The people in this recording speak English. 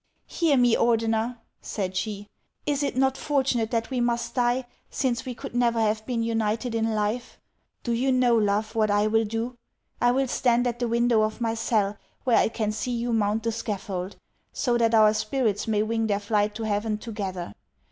" Hear me, Ordeuer," said she :" is it not fortunate that we must die, since we could never have been united in life ? Do you know, love, what I will do ? I will stand at the window of my cell, where I can see you mount the scaffold, so that our spirits may wing their flight to heaven together.